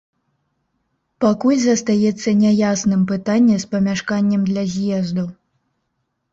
Пакуль застаецца няясным пытанне з памяшканнем для з'езду.